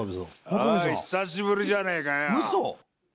おい久しぶりじゃねえかよ。